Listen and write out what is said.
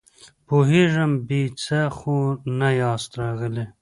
پوهېږم، بې څه خو نه ياست راغلي!